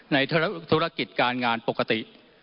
ในธุรกิจการงานปกติ